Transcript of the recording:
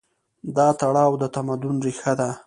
دا تړاو د تمدن ریښه ده.